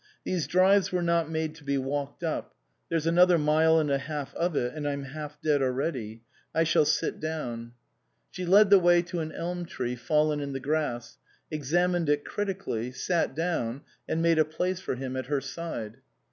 " These drives were not made to be walked up. There's another mile and a half of it, and I'm half dead already. I shall sit down." 86 INLAND She led the way to an elm tree fallen in the grass, examined it critically, sat down, and made a place for him at her side.